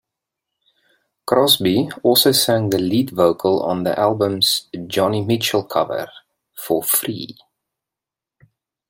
Crosby also sang the lead vocal on the album's Joni Mitchell cover, "For Free".